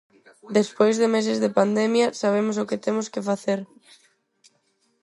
Despois de meses de pandemia, sabemos o que temos que facer.